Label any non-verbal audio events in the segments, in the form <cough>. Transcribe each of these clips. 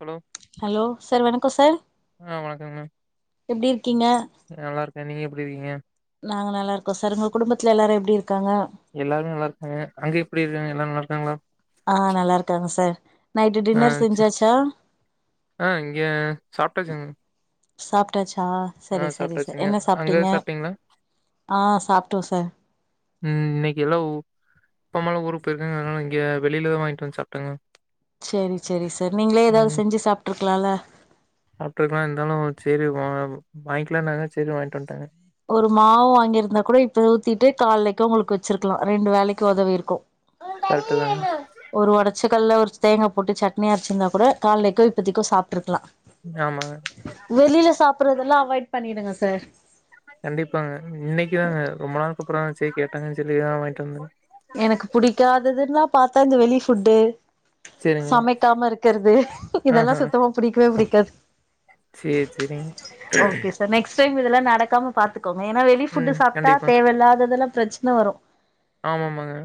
Hello hello sir வணக்கோ sir ஆ வணக்கங்க மேம் எப்டிர்க் கீங்க கே நீங் எப்டி இர்க்கீங்க நாங்க நல்லாருக்கோ சார் உங்க குடும்பத்ல எல்லாரோ எப்டி இருக்காங்க எல்லார்மே நல்லார்க்காங்க அங்க எப்டி இர்க்காங்க எல்லா நல்லா இர்க்காங்களா ஆ நல்லார்க்காங்க சார் நைட்டு ஆ டின்னர் செரி செஞ்சாச்சா ஆ இங்க சாப்ட்டாச்சுங்க சாப்ட்டாச் ஆ சரி ஆ சரி சரி சாப்ட்டாச்சுங்க என்ன அங்க சாப்ட்டீங்க சாப்ட்டீங்களா ஆ சாப்டோ சார் அப்பம்மாள்ளா ஊருக்கு போயிட்டாங்க அதனால இங்க வெளிவே வாங்ட்வந்து சாப்டேங்கே செரி செரி சார் நீங்களே ஏதாது செஞ்சி சாப்ட்ருக் கலால சாப்டுருக்கலா இருந்தாலு சரி வா வாங்கிலானாங்க சரி வாயின்ட் வந்டே ஒரு மாவு வாங்கியிருந்தா கூட இப்ப ஊத்திட்டு கால்லைக்கு உங்களுக்கு வச்சிருக்கலா ரெண்டு வேலைக்கு உதவிருக்கு கரெக்ட்டு தாங்க ஒரு ஒடச் சக்கல்ல ஒரு தேங்கா போட்டு சட்னி அரச்சிருந்தா கூட கால்லைக்கோ இப்பத்திகொ சாப்டுருக்கலா ஆமா அப்புறோ இதெல்லா அவாய்ட் பண்ணிடுங்க சார் கண்டிப்பாங்க இன்னைக்கு தாங்க ரொம்ப நாள்க்கு அப்புறோ சரி கேட்டாங்கனு செர்ய வாய்ண்டு வந்தே எனக்கு புடிக்காததுன்னா பாத்தா இந்த வெளி ஃபுட்டு சமைக்காம இருக்கிறது இதெல்லா சுத்தமா புடிக்கவே புடிக் <unintelligible> சேர் செரிங் நெக்ஸ் டைம் இதெல்லா நடக்காம பாத்துக் ஏன்னா வெளிஃபுட்டு் ம் சாப்ட்டா கண்டிப்பா தேவயில்லாததெல்லா பிரச்சன வரு ஆமாமாங்க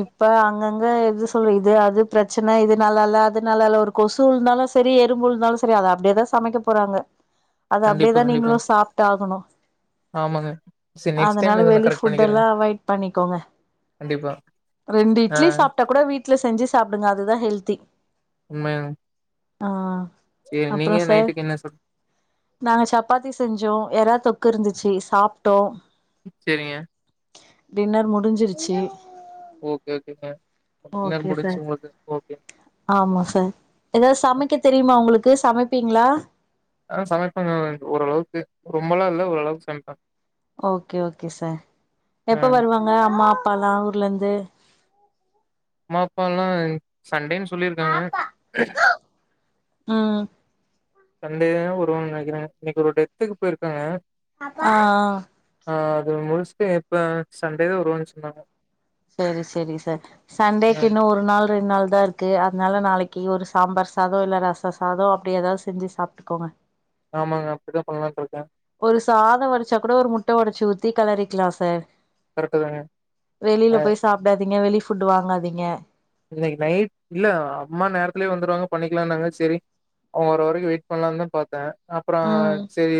இப்ப அங்கங்க இது ஸ் தோழி இது அது பிரச்சன இது நல்லா இல்ல அது நல்லா இல்ல ஒரு கொசு விழுந்தாலு சரி எறும்பு விழுந்தாலு சரி அத அப்டியேதா சமைக்க போறாங்க அத கண்- அப்டியேதா நீங்களு சாப்டாகணு ஆமாங்க சேரி நெக்ஸ்ட் டைம் அதனால இத நா வெளி கரெக்ட் பண்ணிக்கிறேங்க ஃபுட்டெல்லா அவாய்ட் பண்ணிக்கோங்க ரெண்டு இட்லி ஆ சாப்ட்டா கூட வீட் வீட்ல செஞ்சு சாப்டுங்க அதுதா ஹெல்தி உண்மயாலு ஆ அப்ற சார் என்ன சாப் நாங்க சப்பாத்தி செஞ்சோ எராத்தொக் இருந்திச்சி சாப்ட்டோ சேரிங்க டின்னர் முடிஞ்சிர் ச்சி ஓகே, ஓகேங்க. டின்னர் ஓகே முடிஞ்ச்சு சார் உங்களுக்கு. ஓகே. ஆமா சார் ஏதாவது அ சமைக்க தெரியுமா உங்களுக்கு சமைக் பீங்ளா ஆ சமைப்பங்க அ ஓரளவுக்கு ரொம்பலா இல்ல ஓரளவுக் சமைப்பே ஓகே ஓகே சார் அ எப்ப வருவாங்க அம்மா அப்பாலா ஊர்ல இருந்து ந்து மாப்பால்லாய்ங் சண்டேனு சொல்லிருக்காங்க ம் சண்டே தா வருவாங்கனு நெனக்குறே இன்னைக்கொரு டெத்துக் போயிருக்காங்க ஆ ஆ ஆ அது முடிஸ்ட்டு எப்ப சண்டே தா வருவன் சொன்னாங்க சரி செரி சார் அ சண்டேகின்னு ஒரு நாள் ரெண்டு நாள் இதுதா இருக்கு அதனால நாளைக்கு ஒரு சாம்பார் சாதோ இல்ல ரச சாதோ அப்டி ஏதாவது செஞ்சு சாப்ட்டுக்கோங்க ஆமாங்க அப்டிதா பண்லாண் இருக்கே ஒரு சாதோ வடிச்சா கூட ஒரு முட்ட ஒடச்சு ஊத்தி கெலறிக்கலா சார் கரெக்ட்டு தாங்க. அ வெளில போய் சாப்டாதீங்க வெளி ஃப் ஃபுட் வாங்காதீங்க இன்னைக் நைட் இல்ல அம்மா நேரத்துலயே வந்துருவாங்க பண்ணிக்கலான்னாங்க செரி அவங்க வற்ர வரைக்கு வெயிட் பண்ணலானு தா பாத்த அப்றோ ம் சரி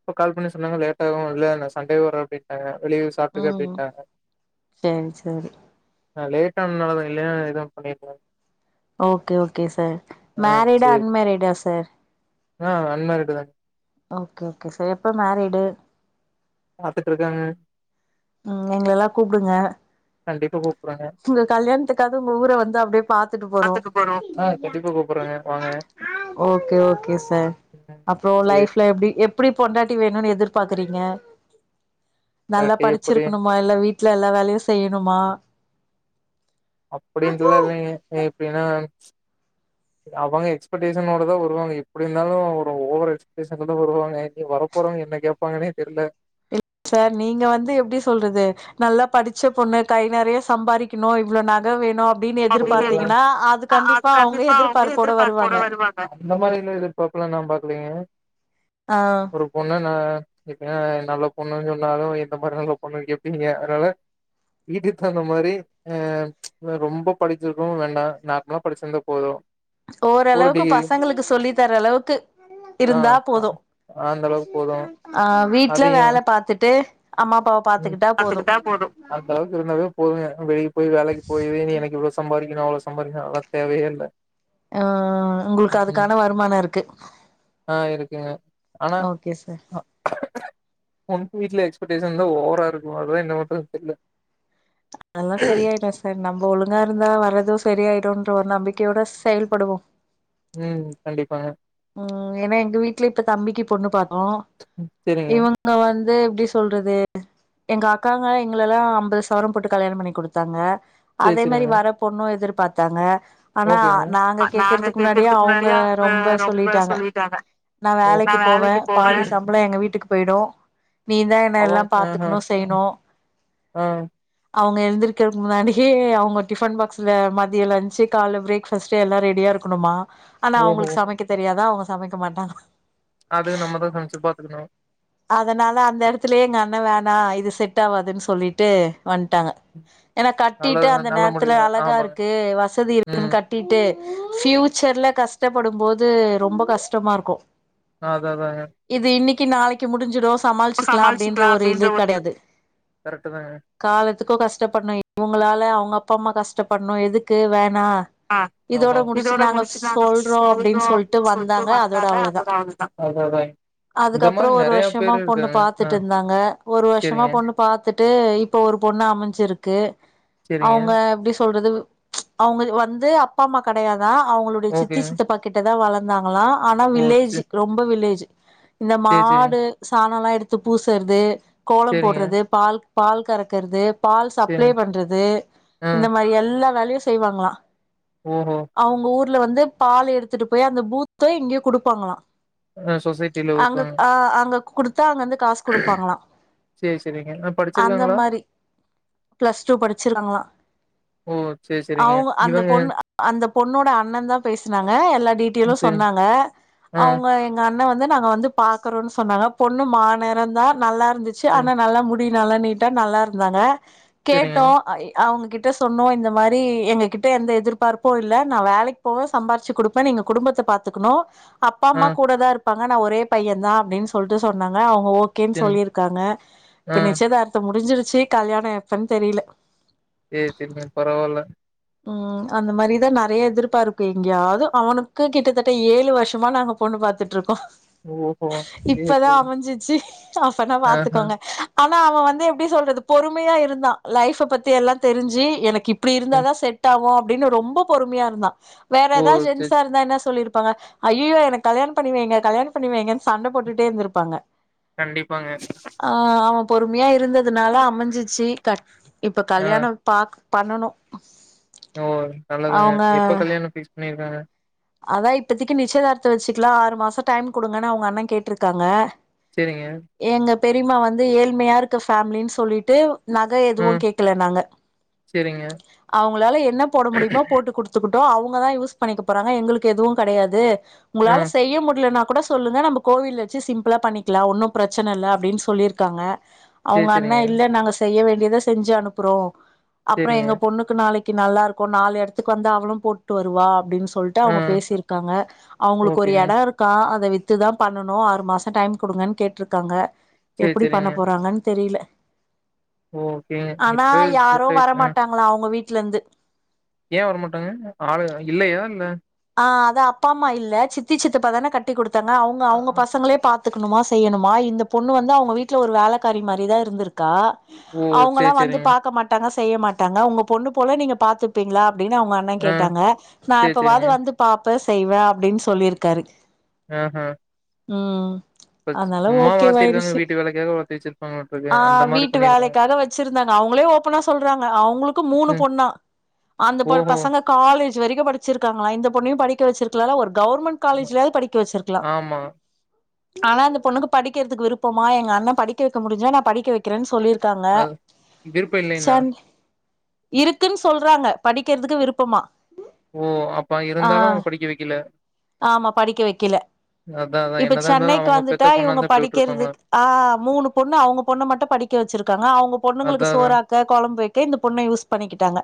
இப்ப கால் பண்ணி சொன்னாங்க லேட்டாகு இல்ல நா சண்டேவே வரே அப்டிண்ட்டாங்க வெளியவே சாப்ட்டுக்க ம் அப்டிண்ட்டாங்க சேரி சேரி ந லேட்டானாலதாங்க இலன இதா பண்ணிருப்பாங் ஓக்கே ஓக்கே சார் மேரிடா சேரி அன்மேரிடா சார் ஆ அன்மேரிடு தாங்க ஒக்கே ஓக்கே சார் எப்போ மேரிடு பாத்துட்ருக்காங்க உ எங்கலல்லா கூப்டுங்க கண்டிப்பா கூப் உங்க கல்யாண்த்துக்காக உங்க ஊர வந்து அப்டியே பாத்துட்டுப்போறோ ஆ கண்டிப்பா கூப்புட்றாங்க வாங்க ஒக்கே ஒக்கே சார் அப்றோ சேரி லைஃப்லெஎஃப்டி எபிடி பொண்டாட்டி வேணுனெதிர்பாக்றீங்க நல்லா இல்லாட்டி எப்டி படிச்சிருக்ணுமா இல்ல வீட்ல எல்லா வேலையு செய்யணுமா அப்டின்டுலாயில்லைங்க ஏ ஏன்னா அவங்க எக்ஸ்பெக்டேஷனோடதா வருவாங்க எப்டி இருந்தாலு ஒரு ஓவர் எக்ஸ்பெக்டேஷன்ல தா வருவாங்க இநீ வரப்போறவங்க என்ன கேப்பாங்கன்னே தெரில சார் நீங்க வந்து எப்டி சொல்றது நல்லா படிச்ச பொண்ணு கை நெறைய சம்பாறிக்கணு இவ்ளோ நக வேணு அ அது கண்டிப்பா அவங்க எதிர்பார்ப்போட வருவாங்க ஆ ஒரு பொண்ணு நா எப் ஏ நல்ல பொண்ணு சொன்னாலு எந்த மாரி நல்ல பொண்ணுனு கேப்பீங்க அதனால வீட்டுக்கு தகுந்த மாரி ஆ ரொம்ப படிச்சிருக்கவு வேண்டா நார்மலா படிச்சிருந்தா போது ஒரு ஓரளவுக்கு டிகிரி பசங்களுக்கு சொல்லி தர அளவுக்கு ஆ இருந்தா போது ஆ வீட்ல அதையுல வேல பாத்துட்டு அம்மா அப்பாவ பாத்துக்கிட்டா போது அந்த அளவுக்கு இருந்தாவே போது வெளிய போய் வேலைக்கு போய் எனக்கு இவ்வள சம்பாதிக்கனு ஏனா அவ்ளோ சம்பாதிக்கனு அதுனா தேவயே இல்ல ஆ உங்களுக்கு ம் அதுக்கான வருமானோ இருக்கு ஆ இருக்குங்க ஆனா ஓகே சார் பொண்ணு வீட்ல எக்ஸ்பெக்டேஷ தா ஓவரா இருக்கு அதா என்ன பன்றதுன் தெரில அதெல்லா சரியாயிடு சார் நம்ம ஒழுங்கா இருந்தா வர்றது சரியாயிடுன் ஒரு நம்பிக்கையோட செயல்படுவோ உ கண்டிப்பாங்க உ ஏன்னா எங்க வீட்ல இப்ப தம்பிக்கு பொண்ணு பாத் ம் ம் செரிங்க இவங்க வந்து து எப்டி சொல்றது எங்க அக்காங்கா எங்கல்லலா அம்பது சவரன் போட்டு கல்யாணம் பண்ணி குடுத்தாங்க சேரி அதே மாரி செரிங்க வர பொண்ணும் எதிர் பாத்தாங்க ஆனா ஓகேங்க நாங்க கேக்கறதுக்கு முன்னாடியே அவுங்க ரொம்ப சொல்லிட்டாங்க நா வேலைக்கு போவேன் பாதி சாம்பளம் எங்க வீட்டுக்கு போயிடும் நீ தா என்ன அவங்க எல்லாம் ஆஹா பாத்துக்கணும் செய்ணும் ஆ அவுங்க எழுந்திருக்கிறக்கு முன்னாடியே அவங்க டிஃபன் பாக்ஸ்ல மதிய லன்ச்சி கால்ல பிரேக் ஃபாஸ்ட்டு எல்லாம் ரெடியா இருக்கணுமா ஆனா ஓஹோ அவுங்களுக்கு சமைக்க தெரியாதா அவங்க சமைக்க மாட்டாங்களா அதுவும் நம்மதான் சமைச்சி பாத்துக்கணும் நா இது செட் ஆவாதுன்னு சொல்லிட்டு வண்ட்டாங்க ஏன்னா கட்டிட்டு நல்லதுதா அந்த நல்ல நேரத்துல முடிவுதா அழகா ஆமாங்க இருக்கு வசதி ம் இருக்குன்னு கட்டிட்டு ஃபியூச்சர்ல கஷ்டப்படும்போது ரொம்ப கஷ்டமா இருக்கும் ஆ அதா அதாங்க கி நாளைக் கி முடிஞ்சிரும் சமாளிச்சிக்கலாம் அப்டின்ற ஒரு இது கெடையாது கரெக்ட்டு தாங்க காலத்துக்கும் கஷ்டப்பட்ணும் இவங்களால அவுங்க அப்பா அம்மா கஷ்டப்படணும் எதுக்கு வே ஆ ஆமா இதோட முடிச்சிட்டாங்கன்னு சொல்றோம் சொல்ட்டு வந்தாங்க அதோட அவ்ளோதா அதோட அப்புறம் ஒரு வருஷமா பொண்ணு பாத்துட்டு இருந்தாங்க ஒரு வருஷமா சேரிங்க பொண்ணு பாத்து ட்டு இப்ப ஒரு பொண்ணு அமைஞ்சிருக்கு சேரிங்க அவங்க எப்டி சொல்றது அவங்களு வந்து அப்பா அம்மா கெடையா தா அவங்களுடைய சித்தி ஓகேங்க சித்தப்பா கிட்டதா வளந் தாங்களா ஆனா ஓ சே வில்லேஜி ரொம்ப வில்லேஜி சேரி சேரிங்க மாடு சாணலாம் எடுத்து பூசறது கோலம் சேரிங்க போடறது பால் பால் கறக்கறது பால் சப்ளை சேரிங்க பண்றது இந்த மாரி எல்லா வேல <unintelligible> செய்வாங்களா ஓ ஓ ர்ல வந்து பால் எடுத்துட்டு போய் அந்த பூத்தோ எங்கையோ கொடுப்பாங்களா அ சோசையிட்டில ஊத்துவாங்க அங்க குடுத் தா அங்கந்து காசு கொடுப்பாங்கள சேரி சேரிங்க ஆ அந்த படிச்சிருக்காங்களா மாரி பிளஸ்டூ படிச்சிருக்காங்களா ஓ சேரி சேரிங்க அவுங்க அந்த இவங்க பொண்ணு பொண்ணோட அண்ணன் தா பேசினங்க எல்லா டீட்டியலு சேரிங் சொன்னாங்க ஆ அவுங்க எங்க என்ன வந்து நாங்க வந்து பாக்கறோன்னு சொன்னாங்க பொண்ணு மாநிறதா நல்லா இருந்துச்சு சேரி ஆனா நல்லா முடி மூடி நல்லா நீட்டா நல்லா இருந்தாங்க சேரிங்க கேட்டோ இ அவுங்ககிட் கிட்ட சொன்னோ இந்த மாரி எங்க கிட்ட எந்த எதிர்பார்ப்பு இல்ல நா வேலைக்கு போவே சம்பாிச்சு குடுப்பே நீங்க குடும்பத்த பாத்துக்கணோ அப்பா ஆ அம்மா கூட தா இருப் பாங்க நா ஒரே பையதா அப்படின்னு சொல்லிட்டு சொன்னாங்க அவ ஓகேன்னு சேரிங் சொல்லிருக்காங்க ஆ இப்ப நிச்சயதார்த்தம் முடிஞ்சிரு சி கல்யாண எப்பன்னு தெரியல <unintelligible> பரவல ம் அந்த மாரிதா நெறைய எதிர்பா இருக்கு எங்கேயாவது அவனுக்கு கிட்டத்தட்ட ஏழு வருஷமா நாங்க பொண்ணு பாத்துட்டு இருக்கோ ஓஹோ சேரி இப்பதா சேரிங்க அமைஞ்சிச்சி அப்பனா ஆஹா பாத்துக்கோங்க ஆனா அவ வந்து எப்படி சொல்றது பொறுமையா இருந்தா லைஃப்ப பத்தி எல்லா தெரிஞ்சு எனக் கிப்டி இருந்தா சேரி தா ட்டாவும் அப்படின்னு ரொம்ப பொறுமையா இருந்தா வேற ஓ ஏதாவது சேரி ஜன்ஸா இருந்தா என்ன சொல்லிருப் ப்பாங்க ஐய்யயோ எனக்கு கல்யாணம் பண்ணி வைங்க கல்யாணம் பண்ணி வங்கன்னு சண்ட போட்டுட்டே இருந்திருப்பாங்க கண்டிப்பாங்க ஆ அவ பொறுமையா இருந்ததுனால அமைஞ்சிச்சு கட் இப்ப ஆ கல்யாணம் பாக் பண்ணனு ஓ நல்லாதுங்க அவங்க எப்ப கல்யணம் பிக்ஸ் பண்ணி இ ஆஹ அதா இப்பதிக்கு நிச்சயதார்த்த வச்சுக்கலா ஆறு மாசோ டைம் குடுங்கன்னு அவங்க அண்ணன் கேட்ருக்காங்க சேரிங்க பெரியமா வந்து ஏழ்மையா இருக்கு ஃபேமிலின்னு சொல்லிட்டு நக ஆ எது கேக்கல நாங்க சேரிங்க அவங்களால என்ன போட முடியுமோ போட்டு குடுத்துக் அவங்க தான் யூஸ் பண்ணிக்க போறாங்க எங்களுக்கு எதுவு கடையாது ஆ உங்களால செய்ய முடியலனா கூட சொல்லுங்க நம்ம கோவில்ல வச்சு சிம்பிளா பண்ணிக்கலா ஒன்னு பிரச்சன இல்ல அப்டின்னு சொல்லிருக்காங்க சேரி அவங்க அண்ணே சேரிங்க இல்ல நாங்க செய்ய வேண்டிய எத செஞ்சு அனுப்புறோ அப்புறோ சேரிங்க எங்க பொண்ணுக்கு நாளைக் கிநல்லா இருக்கு நாலு எடத்துக்கு வந்து அவளு போட்டு வருவா அப்டின்னு சொ சொல்ட்டு ஆ அவங்க பேசிருக்காங்க அவங்களுக்கு ஒரு ஓகேங்க எடோ இருக்கா அத வித் த்து தா பண்ணனு ஆறு மாசோ டைம் குடுங்கன்னு கேட்ருக்காங்க சேரி எப்டி பண்ண போறாங்கன்னு தெரியல ஓகேங் இப்ப <unintelligible> மாட்டாங்களா அவ் உங்க வீட்லருந்து ஏ வரமாட்டாங்க ஆளு இல்லயா என்ன ஆ அதா அப்பா அம்மா இல்ல சித்தி சித்தப்பாதான கட்டி குடுத் தாங்க அவங்க ஆ அவங்க பசங்களே பாத் த்துக்கணுமா செய்யணுமா இந்த பொண்ணு வந்து அவங்க வீட்டுல ஒரு வேலைக்காரி மாரிதா இருந்திருக்கா ஓ அவங்கல்லா சேரி வந்து சேரிங்க பாக்க மாட்டாங்க செ செய்ய மாட்டாங்க உங்க பொண்ணு போல நீங்க பாத்துப்பீங்களா அப்பிடின் அவுங்க அண்ணே ஆ கேட்டாங்க நா சேரி எப்பவாது சேரிங்க வந் பாப்பே செய்வே அப்டின்னு சொல்லிருக்காரு ஆ ஹ ஆ அதனால வளர்த்திருக்காங்க ஓகேவாயிடுச்சி வீட்டு வேலைக்காக வளர்த்தி வச்சிருப்பாங்களாட்ருக்கு ஆ அந்த மாரி வீட்டு பண்ணிருக்காங்க வேலைக்காக வச்சிருந்தாங்க அவுங்களே ஓப்பனா சொல்றாங்க அவுங்களுக்கு மூணு ம் பொண்ணா அந்த ஓஹோ பசங்க காலேஜ் துவரைக்கு படிச்சிருக்காங்களா இந்தப் பொண்ணியு படிக்க வச்சிருக்கலா இல்ல ஒரு கவர்மெண்ட் ம். காலேஜ்லயாது படிக்க வச்சிருக்கலா ஆமா ஆனா அந்த பொண்ணுக்கு படிக்கிறதுக்கு விருப்பமா எங்க அண்ணன் படிக்க வைக்க முடிஞ்சா நா படிக்க வைக்கிறேனு சொல்லிருக் க்காங்க அது விருப்பம் இல்லைன்னா சன் இருக்கின் சொல்றாங்க படிக்கிறதுக்கு விருப்பமா ஓ அப் ஆ ஆமா படிக்க வைக்கில அதா அதா இப்ப என்னதா இருந்தாலு சென்னைக்கு அவங்க பெத்த வந்துட்டா பொண்ணா இவுங்க இருந்தா இப்டி விட்ருப்பாங்களா படிக்கிறதுக் ஆ மூனு பொண்ணு அவுங்க பொண்ணு மட்டு படிக்க வச்சிருக்காங்க அவுங்க பொண்ணுங்களுக்கு அதா அதா சோறக்க கொழம்பு வைக் க்க இந்து பொண்ண யூஸ் பண்ணிக்கிட்டாங்க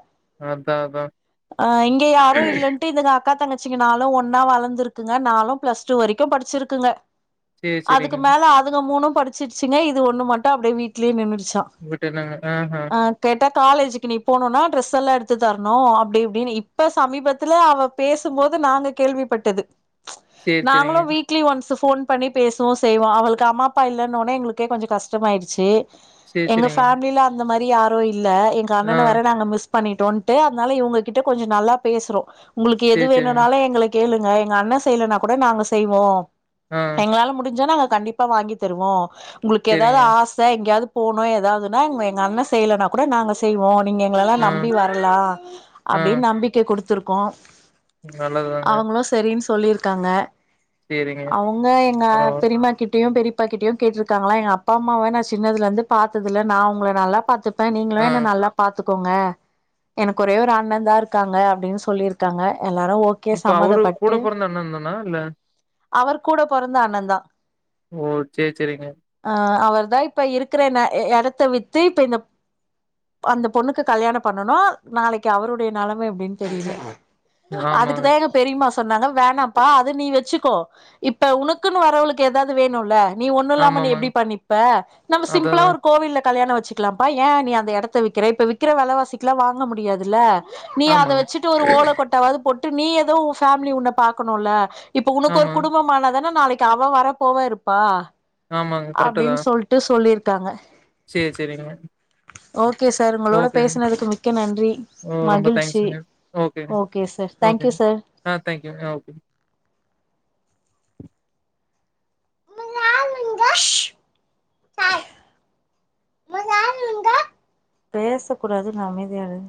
அதா அதா அ இங்க யாரு இல்லன் இதுங்க அக்கா தங்கச்சிங்க நானு ஒன்னா வளந்துருக்குங்க நாலு பிளஸ் டூ வரைக்கு படிச்சிருக்குங்க சேரி சேரிங்க அதுக்கு மேல அதுங்க மூனு படிச்சிருச்சிங்க இது ஒன்னு மட்டு அப்பிடியே வீட்லியே நின்னுச் விட்ட நாங்க ஆஹ ட்ட காலேஜுக்கு நீ போனுன்னா டிரெஸ் எல்லா எடுத்து தரணு அப்பிடி இப்பிடின்னு இப்ப சமீபத் த்துல அவ பேசும்போது நாங்க கேள்விப்பட்டது சேரி நாங்களு சேரிங்க வீக்லி ஒன்ஸ் ஃபோன் பண்ணி பேசவு செய்வோ அவுளுக்கு அம்மா அப்பா இல்லன்னோனே எங்களுக்கே கொஞ்ச கஷ்டமாயிடிச்சி சேரி எங்க சேரிங்க ஃபேமில அந்த மாரி தி யாரோ இல்ல எங்க ஆ அண்ணன வர நாங்க மிஸ் பண்ணிடோன்ட்டு அதனா இவுங்ககிட்ட கொஞ்ச நல்லா பேஸ்றோ ஆஹ உங்களுக்கு எது சேரி சேரிங்க வேணுனாலு எங்களுக் கேளுங்க எங்க அண்ண செய்யலன்னா கூட நாங்க செய்வோ ஆ எங்களால முடிஞ்சா நாங்க கண்டிப்பா வாங்கி தருவோ உங்களுக்கு எதாது சேரிங்க ஆச எங்கேயாது போனு எதாதுன்னா எங்க அண்ண செய்யலனா கூட நாங்க செய்வோ நீங்க எங்கெல்லா ஆ நம்பி வரலா ஆ அப்பிடின் நம்பிக்க குடுத்து கோ நல்லதுதாங்க சொல்லியிருக்காங்க சேரிங்க அவங்க எங்க பரவால பெரியம்மா கிட்டயு பெரியப் அப்பா கிட்டும் கேட்ட இருக்காங்களா எங்க அப்பா அம்மாவ நா சின்னதுல இருந்து பாத்ததுல நா உங்கள நல்லா பாத்து ப நீங்களும் ஆ என்ன நல்லா பாத்து கோங்க எனக்கு ஒரே ஒரு அண்ணன் தா இருக்காங்க அப்படின் சொ சொல்லியிருக்காங்க இப்ப அவரு கூட பிறந்த அண்ணந்தானா இல்ல அவர் கூட பொறந்த அண்ணா தா ஓ சேரி சேரிங்க அதுதா இப்ப இருக்கிற ந எ எ இடத்த வித்து இப்ப இந்த அந்த பொண்ணுக்கு கல்யாணம் பண்ணனு நாளைக்கு அவருடைய நிலைம எப்படின்னு தெரில அ ஆமாங்க அதுக்குதா எங்க பெரியம்மா சொன்னாங்க வேணாம்ப்பா அது நீ வச்சுக் கோ இப்ப உனக்குன்னு வரவளுக்கு ஏதாவது வேணுல்ல நீ ஒண்ணு இல்லாம நீ ஆமாமா எப்படி பண்ணிப்ப நிப்ப நம்ம அதா சிம்பிளா அதா ஒரு கோவில்ல கல்யாண வச்சுக்கலாம்ப்பா ஏ நீ அந்த இடத்த விக்கிற இப்ப விக்கிற வலைவாசிக்கெலா வாங்க முடியாதுல்ல நீ அத ஆமாங்க வச்சுட் ஒரு ஓல கொட்டாவாது போட்டு நீ ஏதோ உ ஃபேமிலி உன்ன பாக்கணும்ல இப்ப உனக்கு ஒரு ஆமா குடும்பமானதானா நாளைக் நாளைக்கு அவ வர போவ இருப்பா ஆமாங்க கரெக்ட்டு அப்படின் தான் சொல்லிட்டு சொல்லிருக் தாங்க சேரி சேரிங்க ஓகே சார் உங்களோட ஓகேங்க பேசுனதுக்கு மிக்க நன்றி மகிழ்ச்சி கேங்க ஓகே சார் தேங்க்யூ ஓகேங்க சார் ஆ தேங்க் யூ ஓகே பேசக் கூடாது அமைதியாயிரு